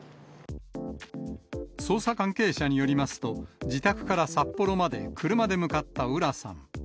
捜査関係者によりますと、自宅から札幌まで車で向かった浦さん。